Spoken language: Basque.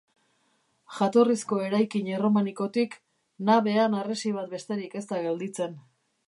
Jatorrizko eraikin erromanikotik nabean harresi bat besterik ez da gelditzen.